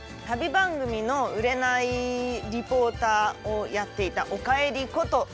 旅番組の売れないリポーターをやっていた「おかえり」こと